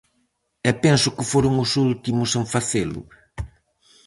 E penso que foron os últimos en facelo.